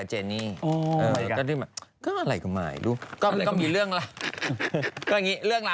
ให้ฉันยุ่งเหรอ